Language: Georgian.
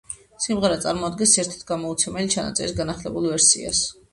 სიმღერა წარმოადგენს ერთ-ერთი გამოუცემელი ჩანაწერის განახლებულ ვერსიას.